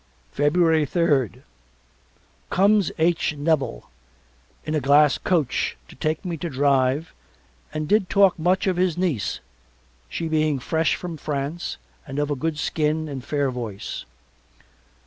February third Comes H. Nevil in a glass coach to take me to drive and did talk much of his niece, she being fresh from France and of a good skin and fair voice.